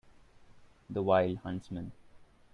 The wild huntsman.